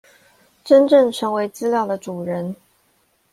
真正成為資料的主人